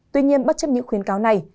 tuy nhiên bất chấp những khuyến cáo này